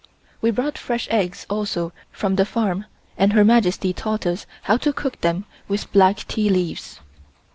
We brought fresh eggs also from the farm and Her Majesty taught us how to cook them with black tea leaves.